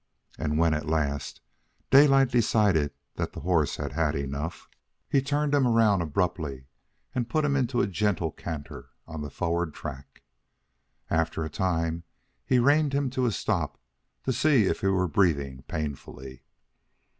And when, at last, Daylight decided that the horse had had enough, he turned him around abruptly and put him into a gentle canter on the forward track. After a time he reined him in to a stop to see if he were breathing painfully.